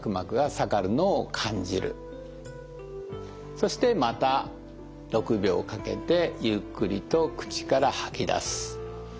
そしてまた６秒かけてゆっくりと口から吐き出す。